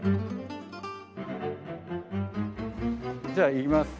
じゃあ行きます。